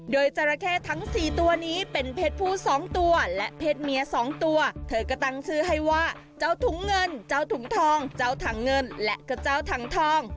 โดยจราเข้ทั้งสี่ตัวนี้เป็นเพศผู้๒ตัวและเพศเมียสองตัวเธอก็ตั้งชื่อให้ว่าเจ้าถุงเงินเจ้าถุงทองเจ้าถังเงินและก็เจ้าถังทอง